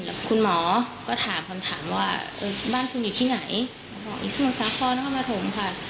แล้วคุณหมอก็ถามคุณถามว่าเออบ้านคุณอยู่ที่ไหนบอกว่าอิสมสาธารณะฮมาธมค่ะ